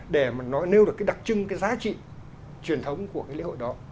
để mà nói nêu được cái đặc trưng cái giá trị truyền thống của cái lễ hội đó